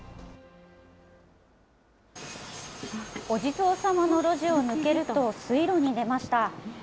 お地蔵様の路地を抜けると、水路に出ました。